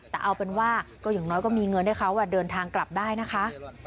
แต่เอาเป็นว่าก็อย่างน้อยก็มีเงินให้เขาเดินทางกลับได้นะคะ